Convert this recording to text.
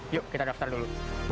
yuk kita daftar dulu